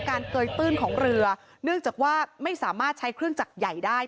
เกยตื้นของเรือเนื่องจากว่าไม่สามารถใช้เครื่องจักรใหญ่ได้